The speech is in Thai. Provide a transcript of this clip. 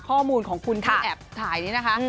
ข้อมูลของคุณที่แอบถ่ายนี่นะคะ